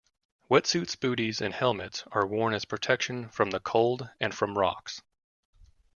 Wetsuits, booties and helmets are worn as protection from the cold and from rocks.